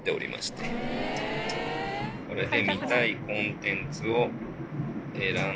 これで。